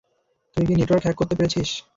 তুই কি network hack করতে পেরেছিস?